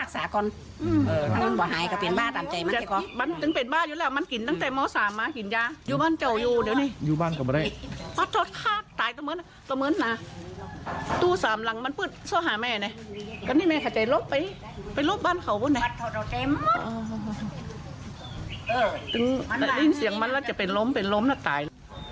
ได้ยินเสียงมันแล้วจะเป็นล้มเป็นล้มแล้วตาย